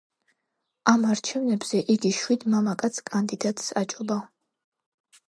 ამ არჩევნებზე, იგი შვიდ მამაკაც კანდიდატს აჯობა.